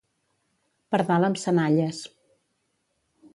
Pardal amb senalles.